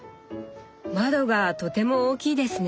窓がとても大きいですね。